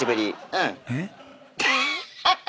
うん。